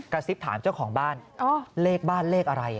ซิบถามเจ้าของบ้านเลขบ้านเลขอะไร